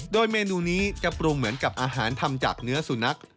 โดยเมนูนี้จะปรุงเหมือนกับอาหารทำจากเนื้อสุนัข